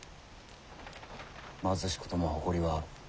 貧しくとも誇りはある。